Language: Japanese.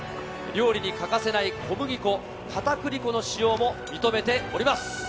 料理に欠かせない小麦粉、片栗粉の使用も認めております。